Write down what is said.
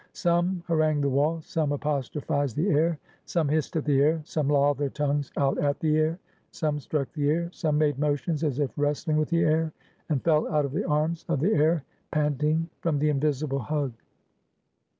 Some harangued the wall; some apostrophized the air; some hissed at the air; some lolled their tongues out at the air; some struck the air; some made motions, as if wrestling with the air, and fell out of the arms of the air, panting from the invisible hug.